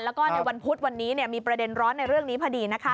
แล้วก็ในวันพุธวันนี้มีประเด็นร้อนในเรื่องนี้พอดีนะคะ